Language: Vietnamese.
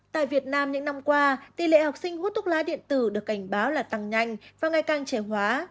tại việt nam những năm qua tỷ lệ học sinh hút thuốc lá điện tử được cảnh báo là tăng nhanh và ngày càng trẻ hóa